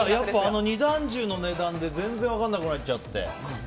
二段重の値段で全然分からなくなっちゃって。